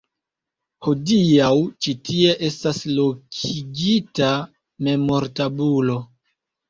Hodiaŭ ĉi tie estas lokigita memortabulo.